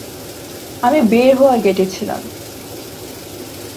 আমি বের হওয়ার গেটে ছিলাম।